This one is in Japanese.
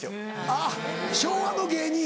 あっ昭和の芸人。